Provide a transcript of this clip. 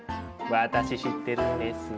私知ってるんです。